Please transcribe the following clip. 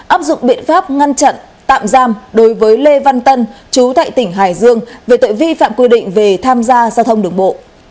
áp dụng biện pháp ngăn chặn tạm giam đối với lê văn tân chú tại tỉnh hải dương về tội vi phạm quy định về tham gia giao thông đường bộ